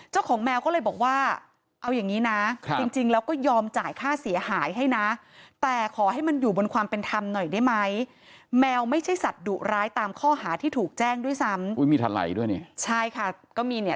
หน่อยได้ไหมแมวไม่ใช่สัตว์ดุร้ายตามข้อหาที่ถูกแจ้งด้วยซ้ำอุ้ยมีทันไหล่ด้วยนี่ใช่ค่ะก็มีเนี้ย